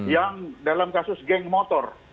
yang dalam kasus geng motor